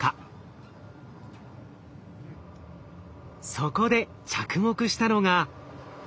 そこで着目したのが。